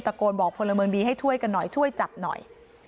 โกนบอกพลเมืองดีให้ช่วยกันหน่อยช่วยจับหน่อย